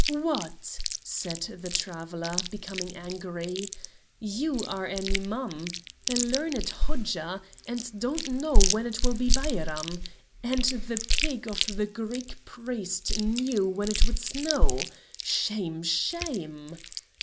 "What!" said the traveller, becoming angry, "you an Imam, a learned Hodja, and don't know when it will be Bairam, and the pig of the Greek priest knew when it would snow? Shame! Shame!"